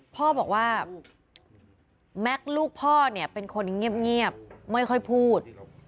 พ่อบอกว่าแม็กซ์ลูกพ่อเนี่ยเป็นคนเงียบไม่ค่อยพูด